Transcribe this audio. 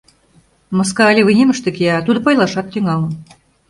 Маска але вынемыште кия, а тудо пайлашат тӱҥалын.